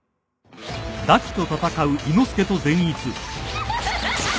ハハハハ。